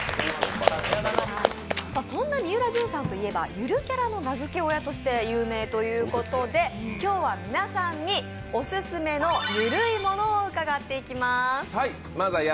そんなみうらじゅんといえばゆるキャラの名付け親として有名ということで今日は皆さんに、オススメのゆるいものを伺っていきます。